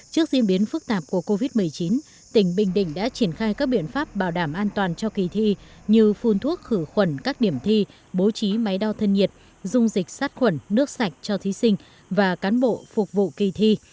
trước diễn biến phức tạp của covid một mươi chín tỉnh bình định đã triển khai các biện pháp bảo đảm an toàn cho kỳ thi như phun thuốc khử khuẩn các điểm thi bố trí máy đo thân nhiệt dung dịch sát khuẩn nước sạch cho thí sinh và cán bộ phục vụ kỳ thi